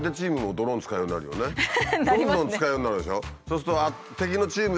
どんどん使うようになるでしょ。